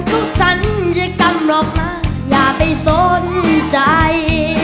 ก็สัญญากันหรอกนะอย่าไปสนใจ